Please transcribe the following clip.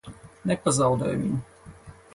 Nepazaudē viņu!